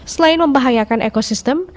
selain membahayakan ekosistem